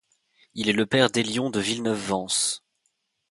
Il est le père d'Hélion de Villeneuve-Vence.